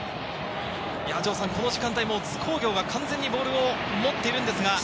城さん、この時間帯も津工業が完全にボールを持っているんですが。